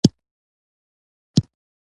د هایزنبرګ ناڅرګندتیا اصل د پوهې حد ښيي.